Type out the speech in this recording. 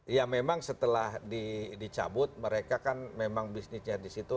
ya memang setelah dicabut mereka kan memang bisnisnya disitu